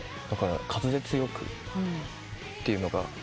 だから滑舌よくっていうのが。